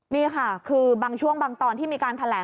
นี่ค่ะคือบางช่วงบางตอนที่มีการแถลง